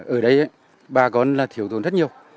ở đây bà con thiếu thuần rất nhiều